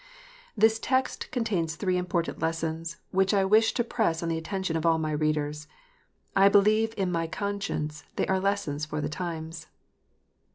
That text contains three important lessons, which I wish to press on the attention of all my readers. I believe in my conscience they are lessons for the times.